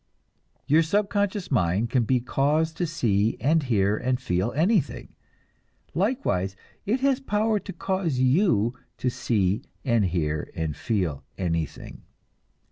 Your subconscious mind can be caused to see and hear and feel anything; likewise it has power to cause you to see and hear and feel anything.